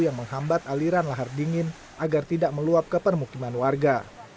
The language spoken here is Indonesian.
yang menghambat aliran lahar dingin agar tidak meluap ke permukiman warga